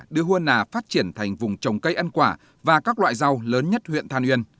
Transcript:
đưa huân nà phát triển thành vùng trồng cây ăn quả và các loại rau lớn nhất huyện than uyên